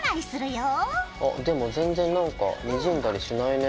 あでも全然なんかにじんだりしないね。